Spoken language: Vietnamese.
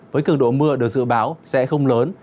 với cường độ mưa được dự báo sẽ không lớn